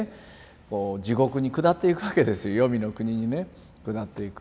こう地獄に下っていくわけですよ黄泉の国にね下っていく。